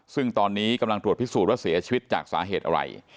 ซึ่งตอนนี้กำลังตรวจพิสูจน์ว่าเสียชีวิตจากสาเหตุอะไร